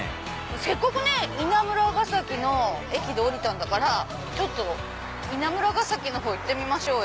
せっかくね稲村ヶ崎の駅で降りたんだから稲村ヶ崎のほう行ってみましょう。